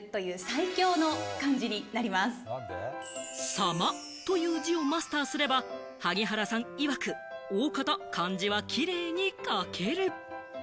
「様」という字をマスターすれば、萩原さんいわく、おおかた漢字はキレイに書ける。